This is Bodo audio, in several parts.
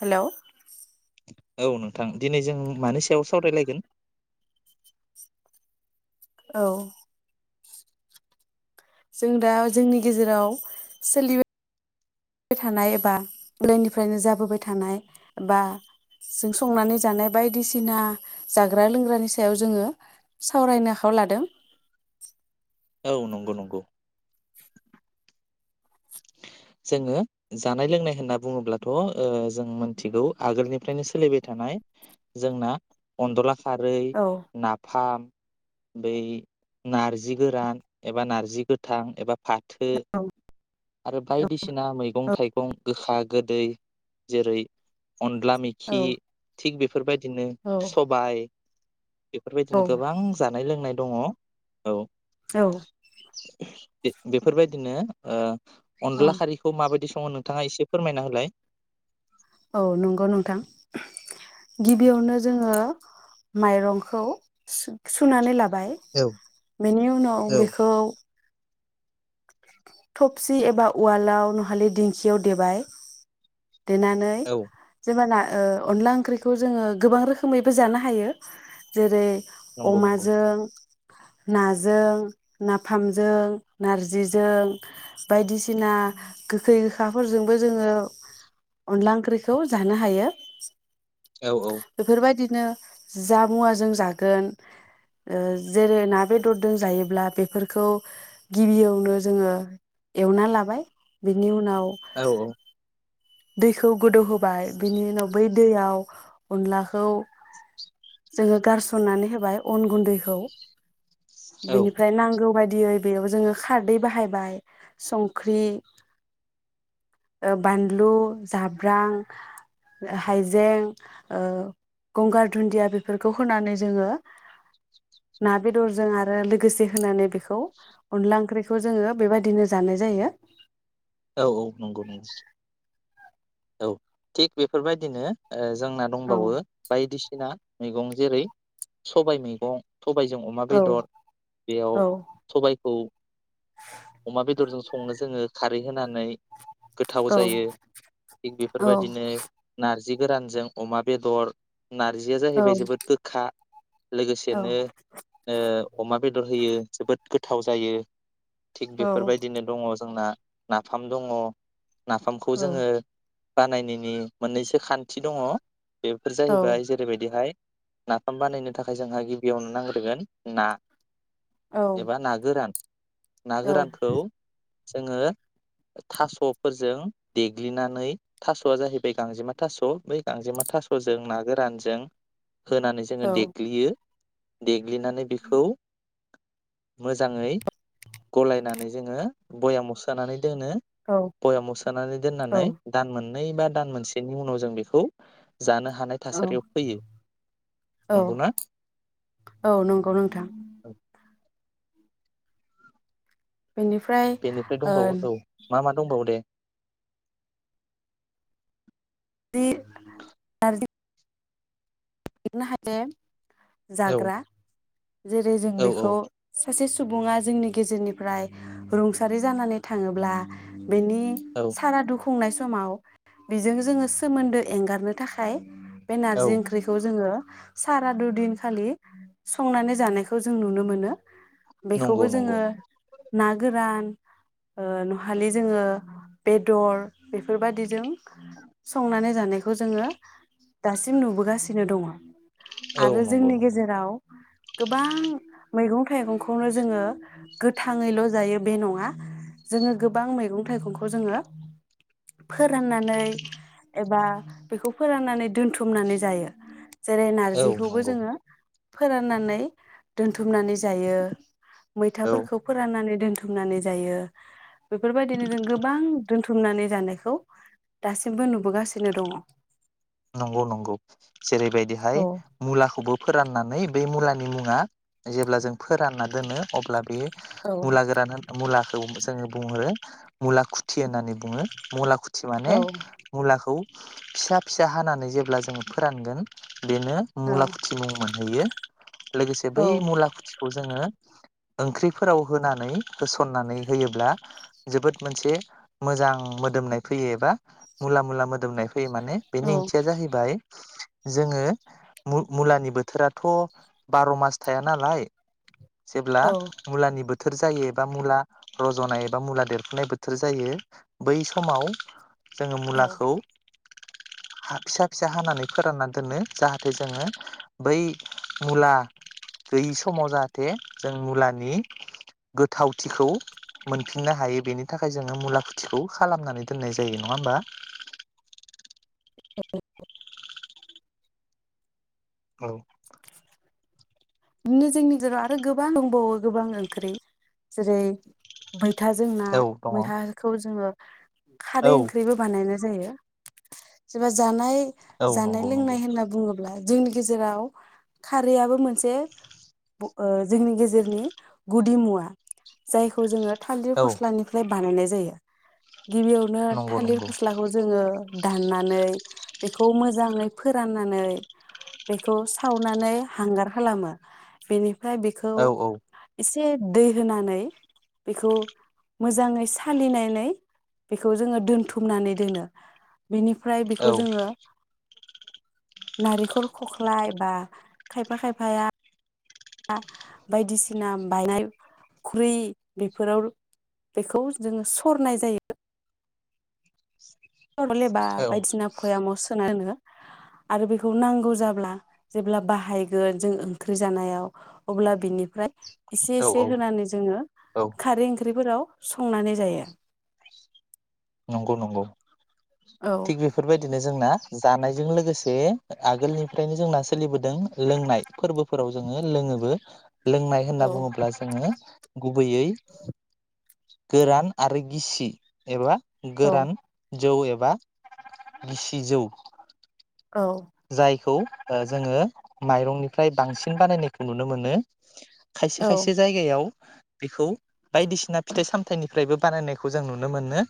हेलौ औ नोंथां दिनै जों मानि सायाव सावरायलायगोन? औ जों दा जोंनि गेजेराव सोलिबाय थानाय एबा [inaudible] निफ्रायनो जाबोबाय थानाय बबा जों संनानै जानाय बायदिसिना जाग्रा लोंग्रानि सायाव जोङो सावरायनो आखायाव लादों। औ नंगौ नंगौ। जोङो जानाय लोंनाय होनना बुङोब्लाथ' ओ जों मोनथिगौ आगोलनिफ्रायनो सोलिबाय थानाय जोंना अनद'ला खारै, औ नाफाम बै नारजि गोरान एबा नारजि गोथां एबा फाथो औ आरो बायदिसिना मैगं थाइगं गोखा गोदै जेरै अनला मेखि थिग बे बेफोरबायदिनो औ सबाय बेफोरबायदिनो औ गोबां जानाय लोंनाय दङ औ औ बेफोरबायदिनो ओ औ अनदला खारिखौ माबायदि स सङो नोंथाङा एसे फोरमायना होलाय औ नंगौ नोंथां गिबियावनो जोङो माइरंखौ सु-सुनानै लाबो बाय औ बेनि उनाव औ बेखौ थफसि एबा उवालाव नहलि दिंखियाव देबाय देनानै औ जेबोना ओ अनला ओंख्रिखौ जोङो गोबां रोखोमैबो जानो हायो जेरै नंगौ नंगौ अमाजों नाजों नाफामजों नारजिजों बायदिसिना सिना गोखै साफोरजोंबो जोङो अनला ओंख्रिखौ जानो हायो औ औ बेफोरबायदि बिदिनो जा मुवाजों जागोन ओ जेरै ना बेदरजों जायोब्ला बेफोरखौ गिबियावनो जोङो एवनानै लाबाय बिनि उनाव [unintelligible] औ दैखौ गोदौ होब बाय बिनि उनाव बै दैयाव अनलाखौ जोङो गारसननानै होबाय अन गुन्दैखौ औ बिनिफ्राय नांगौ बायदि यै बेयाव जोङो खारै बाहायबाय संख्रि ओ बानलु बानलु जाब्रां हायजें ओ गंगार दुन्दिया बेफोरखौ होनानै जोङो ना बेदरजों आरो लोगोसे होनानै बेखौ अनला ओंख्रिखौ जोङो बेबायदिनो जानाय जायो औ औ नंगौ नंगौ औ थिग बेफोरबायदिनो ओ जोंना औ दंबावो बायदिसिना मैगं जेरै सबाय मैगं सबायजों अमा औ बेदर बेयाव औ सबाइखौ अमा बेदरजों स संनो‌ जोङो खा रै होनानै गोथाव जायो औ थिग औ बेफोरबायदिनो नारजि जि गोरानजों अमा बेदर नारजिया जाहैबाय जोबोद गोखा औ लोगोसेनो ओ अमा बेदर होयो जोबोद गोथाव जायो थिग औ बेफोरबायदिनो दङ जोंना नाफाम दङ नाफामखौ औ जोङो बानायनायनि मोननैसो खान्थि दङ बेफोर जाहैबाय जेरैबायदिहाय नाफाम बानायनो थाखाय जोंहा गिबियावनो नांग्रोगोन ना औ एबा ना गोरान ना गोरानखौ जोङो थास'फोरजों देग्लिनानै थास'आ जाहैबाय गांजेमा थास' बै गांजेमा थास'जों ना गोरानजों होनानै जोङो औ देग्लियो दे ग्लिनानै बेखौ मोजाङै गलायनानै जोङो बयामाव सो सोनानै दोनो बयामाव सोनानै दोननानै औ दान मोन नै बा दान मोनसेनि उनाव जों बेखौ जानो हानाय औ थासारियाव फैयो औ नंगौना औ नंगौ नोंथां बेनिफ्राय बेनिफ्राय ओ दंबावो औ मा मा दंबावो दे [unintelligible] नारजि [unintelligible] औ जाग्रा जेरै जों औ बेखौ औ सासे सुबुङा जोंनि गेजेरनिफ्राय रुंसारि जानानै थाङोब्ला बेनि औ सारादुखौ खुंनाय समाव बेजों जोङो सोमोनदो एंगारनो थाखाय बे औ नारजि ओंख्रि जोङो सारादुदिनखालि संनानै जानायखौ जों नुनो मोनो बेखौबो नंगौ नंगौ जोङो ना गोरान ओ नहलि जोङो बेदर बेफोरबादिजों संनानै जानायखौ जोङो दासिम नुबोगासिनो सिनो दङ औ आरो नंगौ जोंनि नंगौ गेजेराव गोबां मैगं थाइगंखौनो जोङो गोथाङैल' जायो बे नङा जोङो गोबां मैगं थाइगंखौ जोङो फोराननानै एबा बेखौ फोराननानै दोनथुमनानै जायो जेरै औ नारजिखौबो नंगौ जोङो फोराननानै दोनथुमनानै जायो औ मैथाफोरखौ फोराननानै दोनथुमनानै जायो बेफोरबायदिनो जों गोबां बुथुमनानै जानायखौ दासिमबो नुबोगासिनो दङ नंगौ नंगौ जेरैबायदिहाय औ मुलाखौबो फोराननानै बे मुलानि मुङा जेब्ला जों फोरानना दोनो अब्ला बे मुला औ गोरान मुला जोङो बुंहरो मुलाखुथि होननानै बुङो मुलाखु थि माने मुलाखौ [unintelligible] फिसा हानानै जेब्ला जोङो फोरानगोन बेनो औ मुला खुथि मुं मोनहैयो लोगोसे बै औ मुला खौ‌ जोङो ओंख्रिफोराव होनानै होसनानै होयोब्ला जोबोद मोनसे मोजां मोदोमनाय फैयो एबा मुला मुला मोदोमनाय फैयो माने बेनि औ ओंथिया जाहैबाय जोङो मु-मुलानि बोथोराथ' बार' मास थाया नालाय जेब्ला औ मुलानि बोथोर बोथोर जायो एबा मुला रज'नाय एबा मुला देरफुनाय बोथोर जायो बै समाव जोङो मुलाखौ फिसा फिसा हानानै फोरानना दोनो जाहाथे जोङो बै मुला गैयि समाव जाहाथे जों मुलानि गोथावथिखौ मोनफिननो हायो बेनि थाखाय जोङो मुला खुथिखौ खालामनानै दोननाय जायो नङा होमबा [unintelligible] औ बिदिनो जोंनि गेजेराव आरो गोबां दंबावो गोबां ओंख्रि जेरै बै मैथा जों ना दङ औ मैथाखौ जोङो खारै ओंख्रिबो बानायना जायो सोरबा जानाय औ जानाय नंगौ नंगौ लोंनाय होनना बुङोब्ला अब्ला जोंनि गेजेराव खारैयाबो मोनसे ओ जोंनि गेजेरनि गुदि मुवा जायखौ जोङो थालिर औ फस्लानिफ्राय बानायनाय जायो गिबियावनो नंगौ थालिर नंगौ फस्लाखौ जोङो दाननानै बेखौ मोजाङै फोराननानै बेखौ सावनानै हांगार खालामो बेनि ओमफ्राय बेखौ औ औ एसे एसे दै होनानै बेखौ मोजाङै सालिनानै बेखौ जोङो दोनथुमनानै दोनो बेनिफ्राय बेखौ औ जोङो नारेंखल खख्लाय बा खायफा खायफाया बायदिसिना बायनाय खुरै बेफोराव बेखौ जोङो सरनाय जायो [unintelligible] बा औ बायदिसिना भयामाव सोना दोनो आरो बेखौ नांगौ जाब्ला जेब्ला बाहायगोन जों ओंख्रि जानायाव अब्ला बिनिफ्राय एसे औ एसे औ होनानै जोङो औ खारै ओंख्रि फोराव संनानै जायो नंगौ नंगौ थिग औ बेफोरबायदिनो जोंना जानायजों लोगोसे आगोलनिफ्रायनो जोंना सोलिबोदों लोंनाय फोरबोफोराव जोङो लोङोबो लोंनाय औ होनना बुङोब्ला जोङो गुबैयै गोरान आरो गिसि एबा गोरान जौ एबा बा गिसिजौ औ औ जायखौ ओ जोङो माइरंनिफ्राय बांसिन बानायनायखौ नुनो मोनो खायसे खायसे जायगायाव बेखौ बायदिसिना फिथाइ सामथाइनिफ्रायबो बानायनायखौ जों नुनो मोनो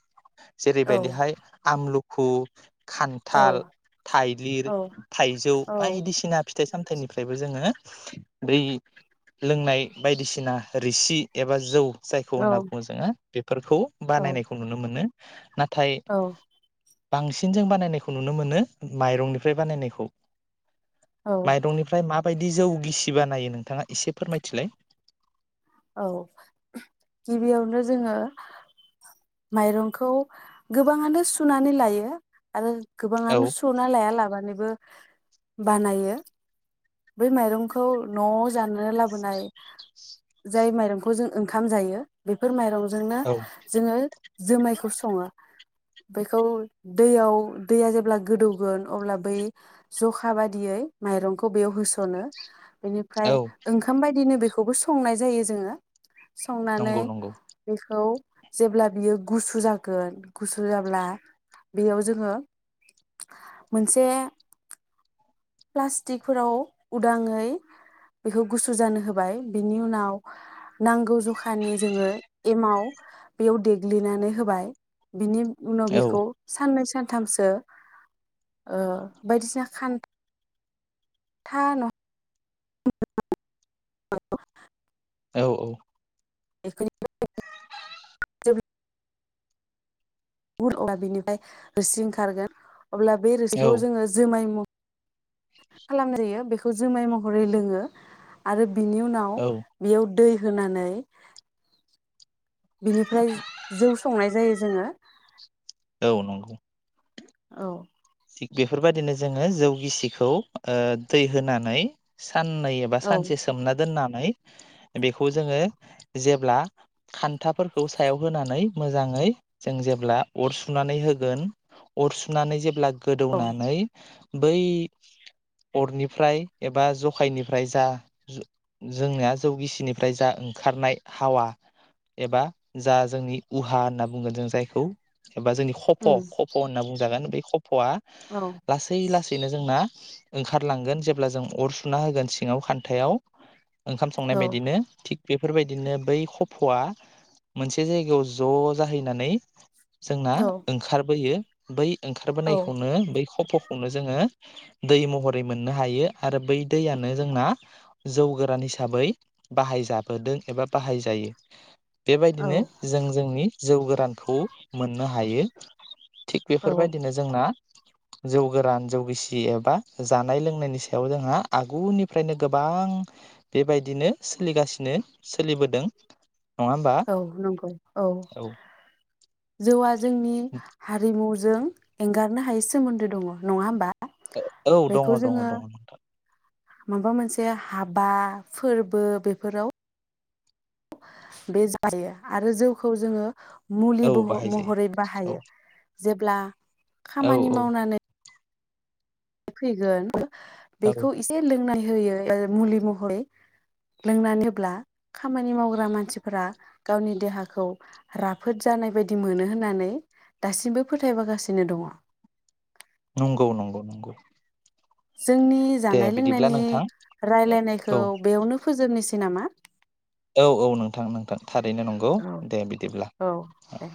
जेरैबायदिहाय आमलु खु खान्थाल थाइलिर औ-औ-औ-औ-औ-औ-औ-औ-औ थाइजौ बायदिसिना फि फिथाइ सामथाइनिफ्रायबो जोङो दै लोंनाय बायदिसिना रिसि एबा जौ जायखौ होनना बुङो जोङो फोरखौ बानायनायखौ नुनो मोनो ना थाय बांसिन जों बानायनायखौ नुनो मोनो माइरंनि [unintelligible] बानायनायखौ माइरंनिफ्राय मा माबायदि जौ गिसिबा नायो नोंथाङा एसे फोरमायथिलाय औ गिबियावनो जोङो माइरंखौ गोबाङानो सुनानै लायो आरो औ गोबाङानो सना लाया लाबानो ब बानायो बे माइरंखौ न' जाना लाबोनाय जाय माइरंखौ जों ओंखाम जायो बे फोर माइरंजोंनो औ जोङो जोमायखौ सङो बेखौ दैयाव दैया जेब्ला गोदौगोन अब्ला बै जखा बादियै माइरंखौ बेयाव होस'नो। बेनिफ्राय औ ओंखाम बायदिनो बेखौ स संनाय जायो जोङो। संनानै नंगौ नंगौ बेखौ जेब्ला बियो गुसु जागोन गुसु जाब्ला बेयाव जोङो मोनसे प्लास्टिकफोराव उदाङै बेखौ गुसु जानो होबाय बिनि उनाव नांगौ ज अखानि जोङो एमाव बेयाव देग्लिनानै होबाय बिनि उनाव औ बेखौ सानै सान थामसो ओ बायदिसिना खान था [unintelligible] औ औ [unintelligible] बिनिफ्राय रोसि ओंखारगोन अब्ला बे औ रोसिखौ जोङो जुमाय मुं खालामजायो बेखौ जुमाय महरै लोङो आरो बिनि उनाव औ बेयाव [unintelligible] होनानै बिनिफ्राय जौ संनाय जायो जोङो औ नंगौ औ थिग बेफोरबायदिनो जोङो जौ गिसिखौ ओ दै होनानै साननै एबा औ सानसे सोमना दोननानै जोङो जोङो खान्थाफोरखौ सायाव होनानै मोजाङै जों जेब्ला अर सुनानै होगोन अर सुनानै जेब्ला औ गोदौनानै बै अरनिफ्राय एबा जखायनिफ्राय जा जोंनिया जौगिसिनिफ्राय जा ओंखारनाय हावा एबा जा जोंनि उहा होनना बुंगोन जों जायखौ एबा जोंनि खप' उम खप' होनना बुं जागोन [unintelligible] क'फवा औ लासै लासै बेनो जोंना ओंखारलांगोन जेब्ला जों अर सुना होगोन सिङाव खान्थायाव ओंखाम संनाय औ बायदिनो बेफोर बायदिनो बै खफ'आ मोनसे जायगायाव ज' जाहैनानै जोंना औ ओंखारबोयो बै ओंखारबोनाय औ बै खफ'खौनो जोङो दै महरै मोननो हायो आरो बै दैयानो जोंना जौ गोरान हिसाबै बाहायजाबोदों एबा बाहायजायो औ बेबायदिनो जों जोंनि जौ गोरानखौ मोननो हायो थिग औ बेफोरबायदिनो जोंना जौ गोरान जौगिसि एबा जानाय लोंनायनि सायाव जोंहा आगुनिफ्रायनो गोबां बेबायदिनो सोलिगासिनो सोलिबोदों होमबा औ नंगौ औ जौआ जोंनि हारिमु जों एंगारनो हायै सोमोन्दो दङ नङा होमबा औ दङ बेखौ दङ जोङो दङ माबा मोनसेया बे जायो आरो जौखौ जोङो मुलि औ बाहायजायो महरै औ बाहायो जेब्ला औ खामानि औ मावनानै फैगोन औ बेखौ एसे लोंनाय होयो मुलि महै लोंनानैब्ला खामानि मावग्रा मानसिफोरा गावनि देहाखौ राफोद जानाय बायदि मोनो होननानै दासिमबो फोथायबोगासिनो दङ। नंगौ नंगौ नंगौ जोंनि दे जानाय बिदिब्ला लोंनायनि नोंथां रायलायनायखौ औ बेयावनो फोजोबनिसै नामा? औ औ नोंथां नोंथां थारैनो नंगौ औ दे बिदिब्ला औ दे